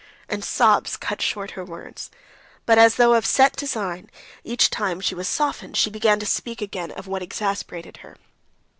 And sobs cut short her words. But as though of set design, each time she was softened she began to speak again of what exasperated her.